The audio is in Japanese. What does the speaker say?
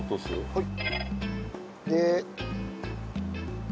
はい。